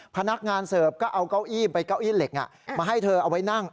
พนักงานเสิร์ฟก็เอาเก้าอี้ไปเก้าอี้เหล็กมาให้เธอเอาไว้นั่ง